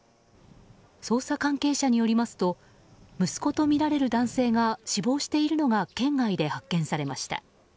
捜査関係者によりますと息子とみられる男性が死亡しているのが県外で発見されました。